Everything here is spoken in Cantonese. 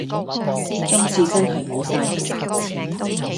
今次真係無晒符